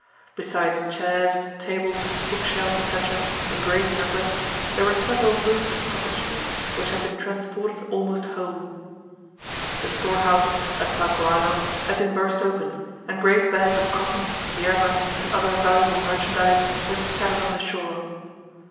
Besides chairs, tables, book shelves, etc., in great numbers, there were several roofs of cottages, which had been transported almost whole. The storehouses at Talcahuano had been burst open, and great bags of cotton, yerba, and other valuable merchandise were scattered on the shore.